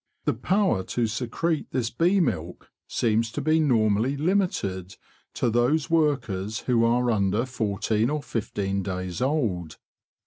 The power to secrete this bee milk seems to be normally limited to those workers who are under fourteen or fifteen days old.